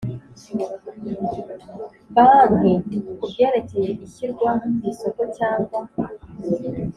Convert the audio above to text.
Banki ku byerekeye ishyirwa ku isoko cyangwa